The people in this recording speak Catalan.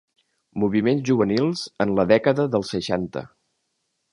Moviments juvenils en la dècada dels seixanta.